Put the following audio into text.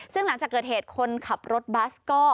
ซึ่งหลังจากเกิดเหตุคนขับรถบัสก็